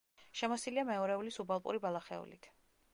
შემოსილია მეორეული სუბალპური ბალახეულით.